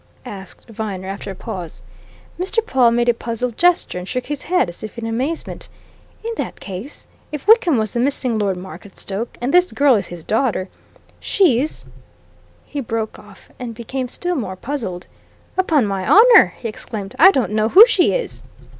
asked Viner, after a pause. Mr. Pawle made a puzzled gesture and shook his head, as if in amazement. "In that case, if Wickham was the missing Lord Marketstoke, and this girl is his daughter, she's " He broke off, and became still more puzzled. "Upon my honour," he exclaimed, "I don't know who she is!"